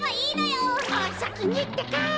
おさきにってか。